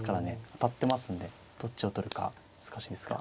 当たってますんでどっちを取るか難しいですが。